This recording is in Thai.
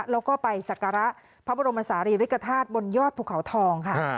แล้วก็ไปสักการะพระบรมศาลีริกฐาตุบนยอดภูเขาทองค่ะ